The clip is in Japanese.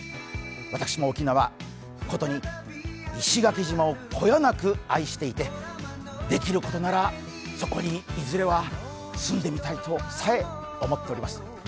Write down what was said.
私も沖縄、ことに石垣島をこよなく愛していてできることなら、そこにいずれは住んでみたいとさえ思っています。